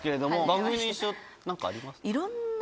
番組の印象何かありますか？